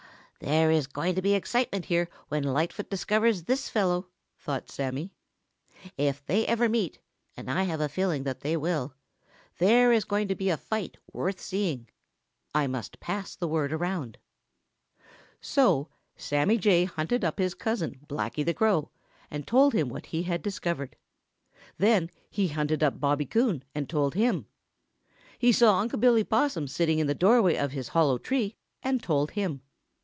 "There is going to be excitement here when Lightfoot discovers this fellow," thought Sammy. "If they ever meet, and I have a feeling that they will, there is going to be a fight worth seeing. I must pass the word around." So Sammy Jay hunted up his cousin, Blacky the Crow, and told him what he had discovered. Then he hunted up Bobby Coon and told him. He saw Unc' Billy Possum sitting in the doorway of his hollow tree and told him.